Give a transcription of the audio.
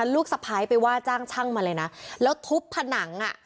ลูกสะพ้ายไปว่าจ้างช่างมาเลยนะแล้วทุบผนังอ่ะ